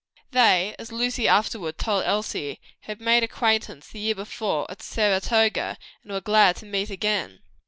They, as Lucy afterward told Elsie, had made acquaintance the year before at Saratoga, and were glad to meet again.